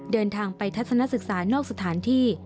เดินทางไปทัศนศึกษานอกสถานที่